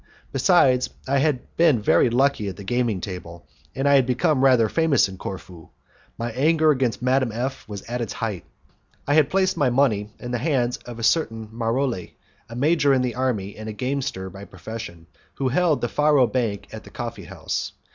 Besides, I had been very lucky at the gaming table, and I had become rather famous in Corfu. My anger against Madame F was at its height. I had placed my money in the hands of a certain Maroli, a major in the army and a gamester by profession, who held the faro bank at the coffee house.